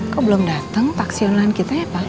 kok belum datang taksi online kita ya pak